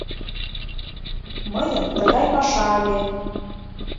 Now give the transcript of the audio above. Мыйын тыгай паша ыле.